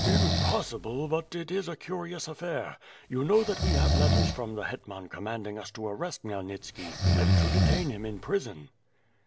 "Impossible, but it is a curious affair. You know that we have letters from the Hetman commanding us to arrest Khmyelnitski and to detain him in prison."